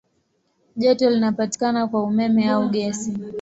Joto linapatikana kwa umeme au gesi.